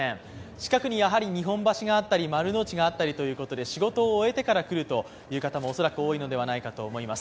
近くに日本橋があったり丸の内があったりということで仕事を終えてから来るという方も恐らく多いのではないかと思います。